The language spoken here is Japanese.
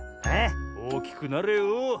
おおきくなれよ。